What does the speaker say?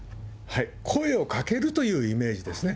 声をかけるというイメージですね。